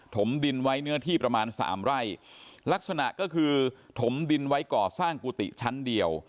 มดินไว้เนื้อที่ประมาณสามไร่ลักษณะก็คือถมดินไว้ก่อสร้างกุฏิชั้นเดียว